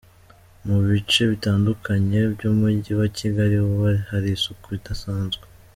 Mu bice bitandukanye by’umujyi wa Kigali hari isuku idasanzwe.